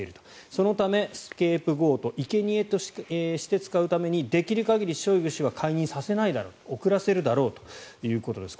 そのため、スケープゴートいけにえとして使うためにできる限りショイグ氏は解任させないだろう遅らせるだろうということです。